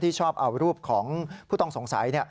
ชอบเอารูปของผู้ต้องสงสัย